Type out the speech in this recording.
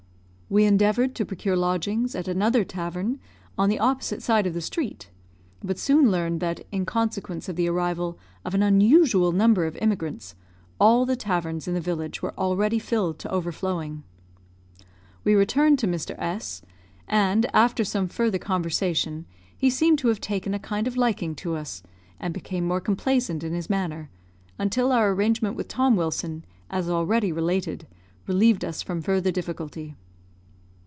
We endeavoured to procure lodgings at another tavern, on the opposite side of the street; but soon learned that, in consequence of the arrival of an unusual number of immigrants, all the taverns in the village were already filled to overflowing. We returned to Mr. S , and after some further conversation, he seemed to have taken a kind of liking to us, and became more complaisant in his manner, until our arrangement with Tom Wilson, as already related, relieved us from further difficulty.